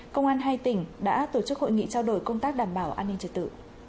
công an hai tỉnh đã tổ chức hội nghị trao đổi công tác đảm bảo an ninh trật tự